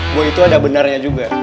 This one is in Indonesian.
bahwa itu ada benarnya juga